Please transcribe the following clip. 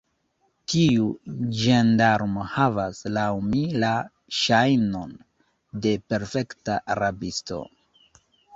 Tiu ĝendarmo havas, laŭ mi, la ŝajnon de perfekta rabisto.